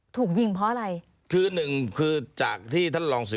ถูกยิงเพราะอะไร